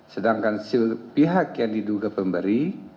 sedangkan pihak yang diduga pemberi